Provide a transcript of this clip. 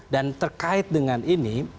dan terkait dengan ini